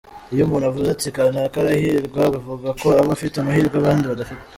Iyo umuntu avuze ati kanaka arahirwa bivuga ko aba afite amahirwe abandi badafite.